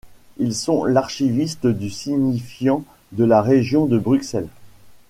Elles sont l’archiviste du signifiant de la Région de Bruxelles.